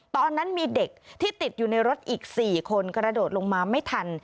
ตอนนั้นมีเด็กที่ติดอยู่ในรถอีก๔คนกระโดดลงมาไม่ทัน